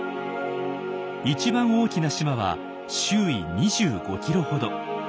一番大きな島は周囲２５キロほど。